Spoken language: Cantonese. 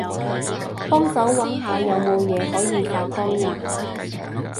幫手搵下有冇嘢可以發光吖